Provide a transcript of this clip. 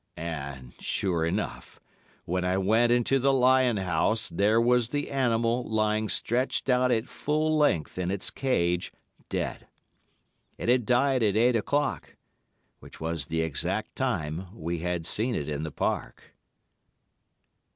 "And, sure enough, when I went into the lion house, there was the animal lying stretched out at full length in its cage—dead. It had died at eight o'clock, which was the exact time we had seen it in the park."